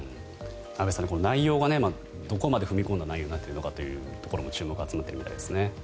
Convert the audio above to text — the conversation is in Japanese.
安部さん内容がどこまで踏み込んだ内容になっているかにも注目が集まっているみたいですね。